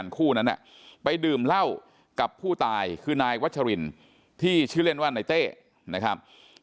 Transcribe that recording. คู่นั้นไปดื่มเหล้ากับผู้ตายคือนายวัชรินที่ชื่อเล่นว่านายเต้นะครับ